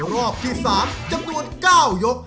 รอบที่๓จำนวน๙ยก